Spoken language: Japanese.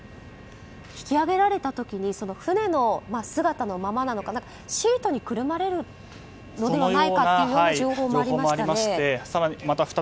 引き揚げられた時船の姿のままなのかシートにくるまれるのではないかという情報もありましたよね。